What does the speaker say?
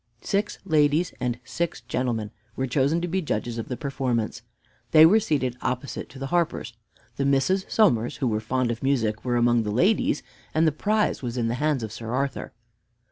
Six ladies and six gentlemen were chosen to be judges of the performance. They were seated opposite to the harpers. The Misses Somers, who were fond of music, were among the ladies, and the prize was in the hands of Sir Arthur.